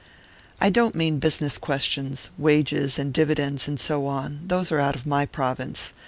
I don't mean business questions: wages and dividends and so on those are out of my province.